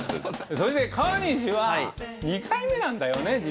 そして川西は２回目なんだよね実は。